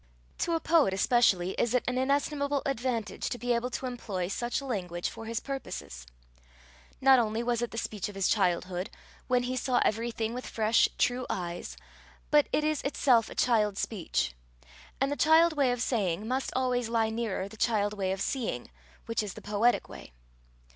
To a poet especially is it an inestimable advantage to be able to employ such a language for his purposes. Not only was it the speech of his childhood, when he saw everything with fresh, true eyes, but it is itself a child speech; and the child way of saying must always lie nearer the child way of seeing, which is the poetic way.